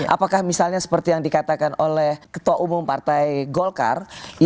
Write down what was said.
apakah misalnya seperti yang dikatakan oleh ketua umum partai golkar